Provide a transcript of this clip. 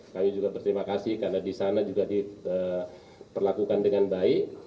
kami juga berterima kasih karena di sana juga diperlakukan dengan baik